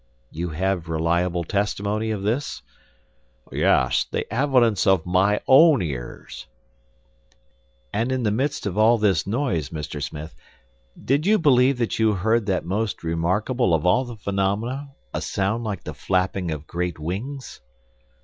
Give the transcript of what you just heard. "You have reliable testimony of this?" "Yes, the evidence of my own ears." "And in the midst of this noise, Mr. Smith, did you believe that you heard that most remarkable of all the phenomena, a sound like the flapping of great wings?"